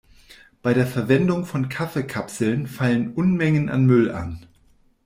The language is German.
Bei der Verwendung von Kaffeekapseln fallen Unmengen an Müll an.